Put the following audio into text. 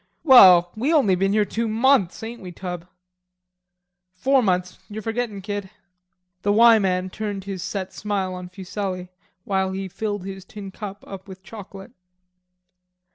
"Well, we only been here two months, ain't we, Tub?" "Four months; you're forgettin', kid." The "Y" man turned his set smile on Fuselli while he filled his tin cup up with chocolate.